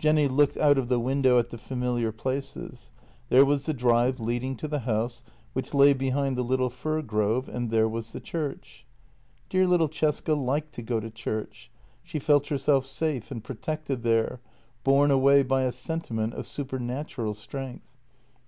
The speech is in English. Jenny looked out of the window at the familiar places; there was the drive leading to the house, which lay behind the little fir grove, and there was the church. Dear little Cesca liked to go to church; she felt herself safe and pro tected there, borne away by a sentiment of supernatural strength.